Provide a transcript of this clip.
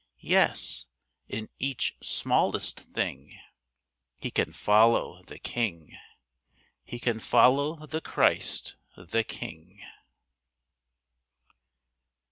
Yes in each smallest thing He can follow The King He can follow The Christ, The King.